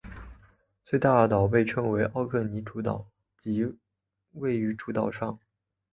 最大的岛被称为奥克尼主岛即位于主岛上。